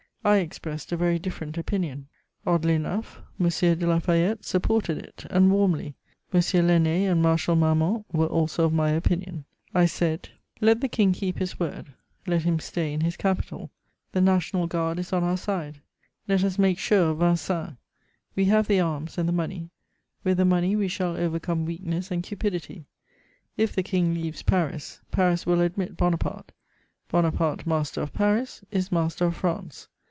I expressed a very different opinion: oddly enough, M. de La Fayette supported it, and warmly. M. Lainé and Marshal Marmont were also of my opinion. I said: [Illustration: La Fayette.] [Sidenote: My advice to the government.] "Let the King keep his word; let him stay in his capital. The National Guard is on our side. Let us make sure of Vincennes. We have the arms and the money; with the money we shall overcome weakness and cupidity. If the King leaves Paris, Paris will admit Bonaparte; Bonaparte master of Paris is master of France.